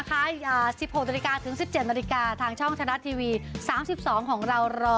บแล้วเจอจะออกอเวลาที่๑๖๑๗ราชาติวี๓๒ของเรารอ